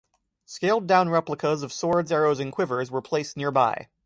Scaled-down replicas of swords, arrows and quivers were placed nearby.